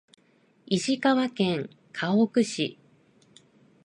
石川県かほく市